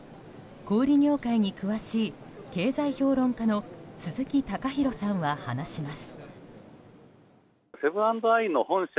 小売業界に詳しい経済評論家の鈴木貴博さんは話します。